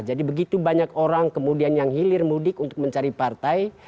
jadi begitu banyak orang kemudian yang hilir mudik untuk mencari partai